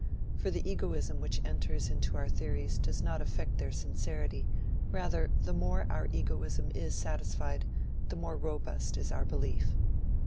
For the egoism which enters into our theories does not affect their sincerity; rather, the more our egoism is satisfied, the more robust is our belief.